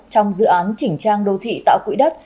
trong dự án chỉnh trang đô thị tạo quỹ đất